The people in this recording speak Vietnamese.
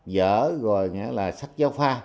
giở sách giáo pha